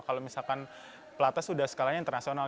kalau misalkan platas sudah skalanya internasional